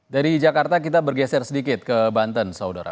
dari jakarta kita bergeser sedikit ke banten saudara